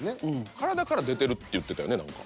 「体から出てる」って言ってたよね何か。